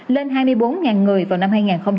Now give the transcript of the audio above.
lên hai mươi bốn người vào năm hai nghìn một mươi tám